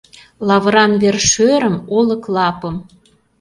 Лавыран вер-шӧрым, олык лапым